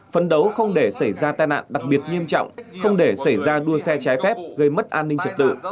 phấn đấu không để xảy ra tai nạn đặc biệt nghiêm trọng không để xảy ra đua xe trái phép gây mất an ninh trật tự